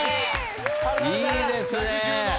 いいですね。